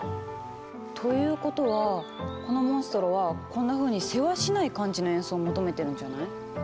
ということはこのモンストロはこんなふうにせわしない感じの演奏を求めてるんじゃない？